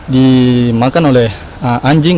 dimakan oleh anjing